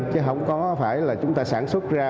chứ không có phải là chúng ta sản xuất ra